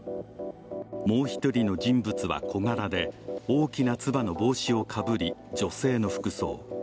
もう一人の人物は小柄で大きなつばの帽子をかぶり、女性の服装。